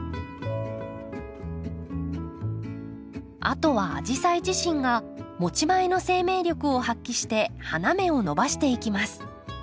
あとはアジサイ自身が持ち前の生命力を発揮して花芽を伸ばしていきます。